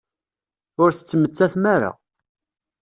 Ur tettmettatem ara.